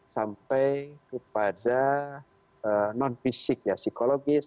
sampai kepada non fisik ya psikologis